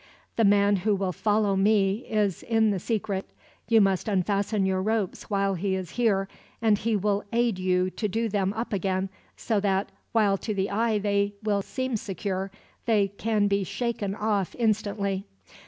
The man who will follow me is in the secret. You must unfasten your ropes while he is here, and he will aid you to do them up again, so that, while to the eye they will seem secure, they can be shaken off instantly.